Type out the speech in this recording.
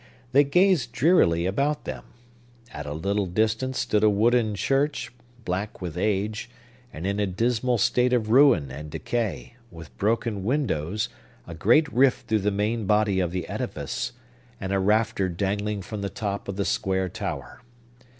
They gazed drearily about them. At a little distance stood a wooden church, black with age, and in a dismal state of ruin and decay, with broken windows, a great rift through the main body of the edifice, and a rafter dangling from the top of the square tower.